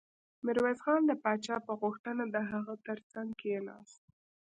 ميرويس خان د پاچا په غوښتنه د هغه تر څنګ کېناست.